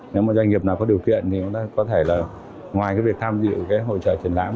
nếu mà doanh nghiệp nào có điều kiện thì có thể là ngoài cái việc tham dự cái hội trợ truyền lãm